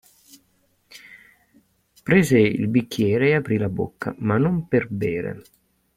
Prese il bicchiere e aprì la bocca, ma non per bere.